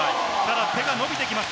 手が伸びてきます。